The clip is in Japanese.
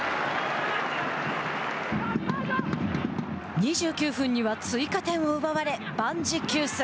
２９分には追加点を奪われ万事休す。